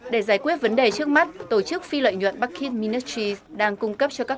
để giải quyết vấn đề trước mắt tổ chức phi lợi nhuận bakit ministries đang cung cấp cho các